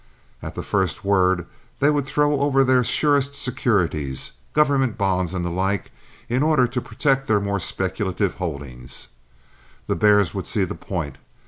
At the first word they would throw over their surest securities—government bonds, and the like—in order to protect their more speculative holdings. The bears would see the point.